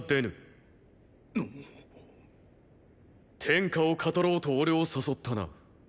“天下”を語ろうと俺を誘ったな。